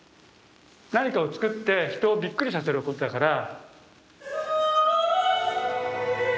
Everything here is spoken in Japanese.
何かを創って人をびっくりさせることだから。